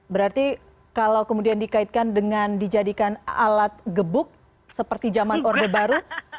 berarti kalau kemudian dikaitkan dengan dijadikan alat gebuk seperti zaman orde baru